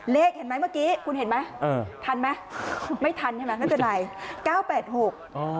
เลขเห็นไหมเมื่อกี้คุณเห็นไหมเออทันไหมไม่ทันใช่ไหมไม่เป็นไร